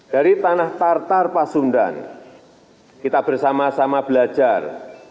dari tanah tartar pasundan kita bersama sama belajar